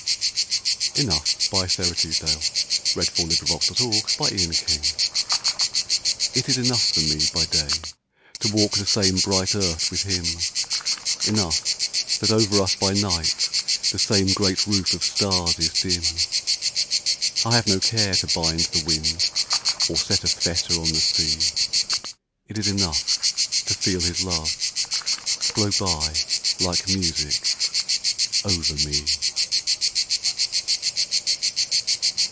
ay be a cloud by day And in the night a shaft of fire. ENOUGH IT is enough for me by day To walk the same bright earth with him; Enough that over us by night The same great roof of stars is dim. I have no care to bind the wind Or set a fetter on the sea It is enough to feel his love Blow by like music over me.